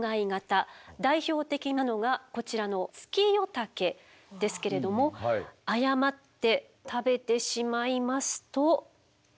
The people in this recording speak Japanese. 代表的なのがこちらのツキヨタケですけれども誤って食べてしまいますと。